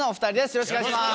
よろしくお願いします。